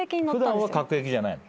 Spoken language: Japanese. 普段は各駅じゃないの？